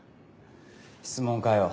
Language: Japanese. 質問を変えよう。